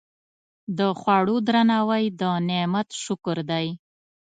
د خوړو درناوی د نعمت شکر دی.